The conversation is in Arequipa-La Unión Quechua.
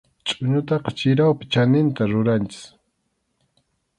Chʼuñutaqa chirawpi chaninta ruranchik.